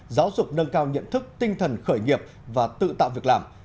giáo dục nâng cao nhận thức tinh thần khởi nghiệp và tự tạo việc làm